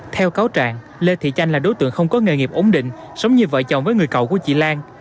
theo cáo trạng lê thị chanh là đối tượng không có nghề nghiệp ổn định sống như vợ chồng với người cậu của chị lan